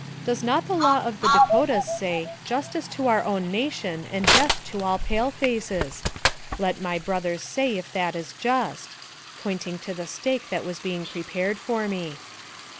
Does not the law of the Dakotas say, Justice to our own nation, and death to all pale faces? Let my brothers say if that is just/' pointing to the stake that was being prepared for me.